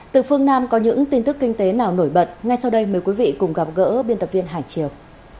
từ phương nam có những tin tức kinh tế nào nổi bật ngay sau đây mời quý vị cùng gặp gỡ biên tập viên hải triều